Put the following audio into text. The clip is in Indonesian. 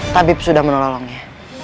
tabib sudah menolongnya